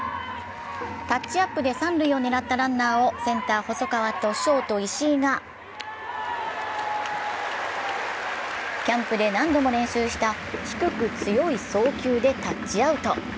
タッチアップで三塁を狙ったランナーをセンター・細川とショート・石井がキャンプで何度も練習した低く強い送球でタッチアウト。